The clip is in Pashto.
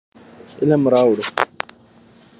علم راوړو.